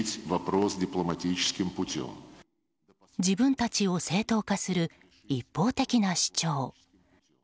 自分たちを正当化する一方的な主張。